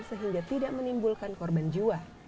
sehingga tidak menimbulkan korban jiwa